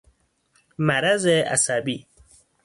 مرض عصبی